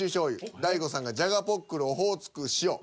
大悟さんが「じゃがポックルオホーツク塩」。